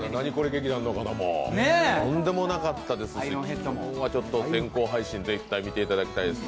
劇団の方もとんでもなかったですし今日は先行配信、絶対に見ていただきたいです。